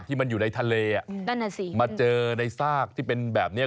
ที่มันอยู่ในทะเลมาเจอในซากที่เป็นแบบนี้